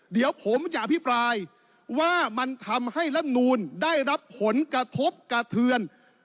เดี๋ยวผมจะอภิปรายว่ามันทำให้ลำนูลได้รับผลกระทบกระเทือน